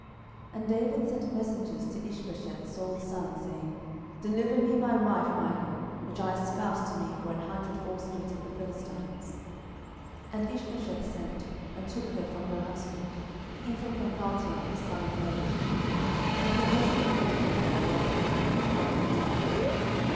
10:003:014 And David sent messengers to Ishbosheth Saul's son, saying, Deliver me my wife Michal, which I espoused to me for an hundred foreskins of the Philistines. 10:003:015 And Ishbosheth sent, and took her from her husband, even from Phaltiel the son of Laish. 10:003:016 And her husband went with her along weeping behind her to Bahurim.